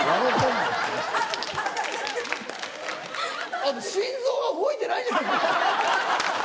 あと心臓が動いてないんじゃ。